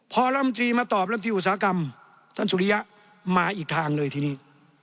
พอลำตรีมาตอบลำที่อุตสาหกรรมท่านสุริยะมาอีกทางเลยทีนี้